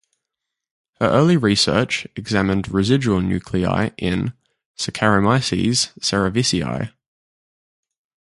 Her early research examined residual nuclei in "Saccharomyces cerevisiae".